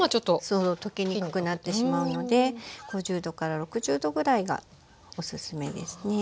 そう溶けにくくなってしまうので５０度から６０度ぐらいがおすすめですね。